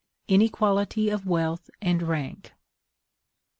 INEQUALITY OF WEALTH AND RANK.